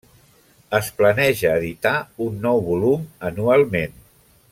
Es planeja editar un nou volum anualment.